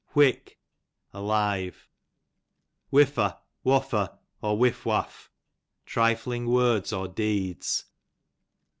Whick, alive. Whiffo Whaflfo, or whiff whaflf, trifling words or deeds.